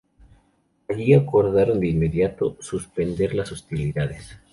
Allí acordaron de inmediato suspender las hostilidades.